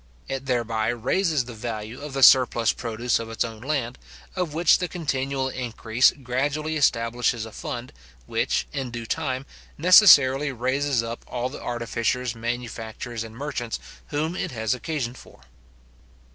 It thereby raises the value of the surplus produce of its own land, of which the continual increase gradually establishes a fund, which, in due time, necessarily raises up all the artificers, manufacturers, and merchants, whom it has occasion for.